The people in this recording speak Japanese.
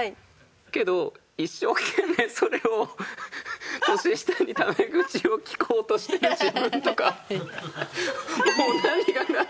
けど一生懸命それを年下にタメ口をきこうとしてる自分とか。